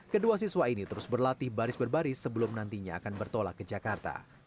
kedua siswa ini terus berlatih baris baris sebelum nantinya akan bertolak ke jakarta